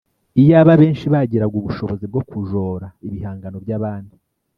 Iyaba benshi bagiraga ubushobozi bwo kujora ibihangano by’abandi